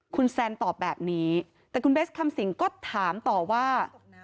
คุณแซนตอบแบบนี้แต่คุณเบสคำสิงก็ถามต่อว่า